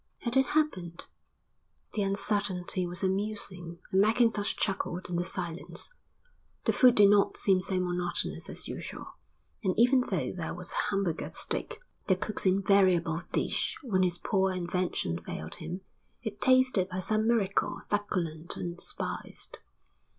Had it happened? The uncertainty was amusing and Mackintosh chuckled in the silence. The food did not seem so monotonous as usual, and even though there was Hamburger steak, the cook's invariable dish when his poor invention failed him, it tasted by some miracle succulent and spiced.